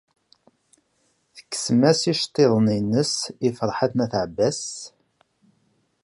Tekksem-as iceḍḍiḍen-nnes i Ferḥat n At Ɛebbas.